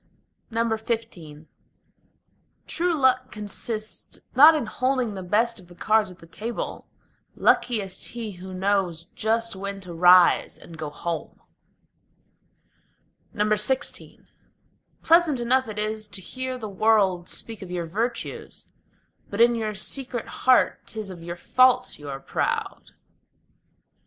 XV True luck consists not in holding the best of the cards at the table: Luckiest he who knows just when to rise and go home. XVI Pleasant enough it is to hear the world speak of your virtues; But in your secret heart 'tis of your faults you are proud.